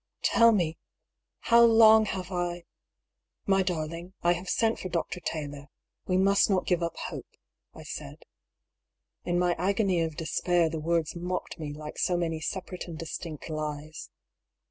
Tell me, how long have I "" My darling, I have sent for Dr. Taylor ; we must not give up hope," I said. In my agony of despair the words mocked me like so many separate and distinct lies.